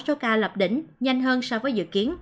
số ca lập đỉnh nhanh hơn so với dự kiến